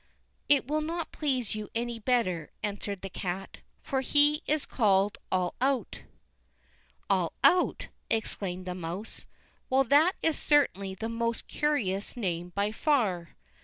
"It will not please you any better," answered the cat, "for he is called All out." "All out!" exclaimed the mouse; "well, that is certainly the most curious name by far.